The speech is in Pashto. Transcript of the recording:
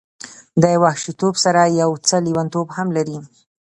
د وحشي توب سره یو څه لیونتوب هم لري.